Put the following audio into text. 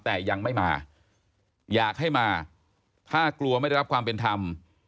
แต่ยังไม่มาอยากให้มาถ้ากลัวไม่ได้รับความเป็นธรรม